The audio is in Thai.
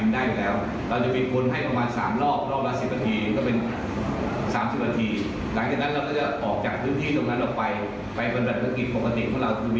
ได้ระบบ